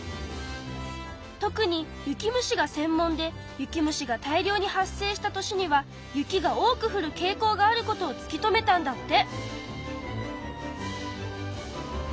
特に雪虫がせん門で雪虫が大量に発生した年には雪が多くふるけい向があることを突き止めたんだって。